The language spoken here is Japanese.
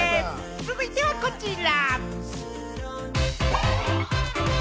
続いてはこちら。